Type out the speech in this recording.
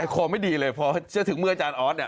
คอไม่ดีเลยพอเชื่อถึงเมื่ออาจารย์ออสเนี่ย